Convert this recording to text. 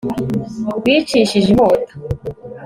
bicishije inkota